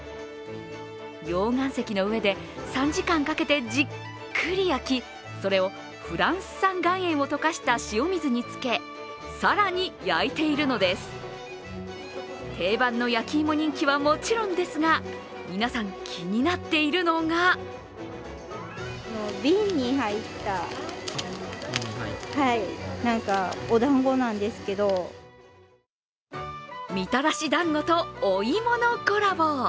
溶岩石の上で３時間かけてじっくり焼き、それをフランス産岩塩を溶かした塩水に漬け、更に焼いているのです定番の焼き芋人気はもちろんですが、皆さん、気になっているのがみたらしだんごとお芋のコラボ。